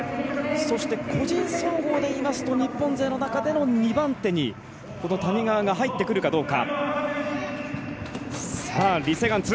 そして、個人総合で言いますと日本勢の中の２番手にこの谷川が入ってくるかどうか。